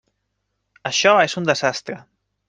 Això és un desastre.